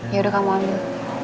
yaudah kamu ambil